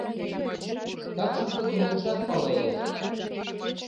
Такшым тудым огешат пале ыле.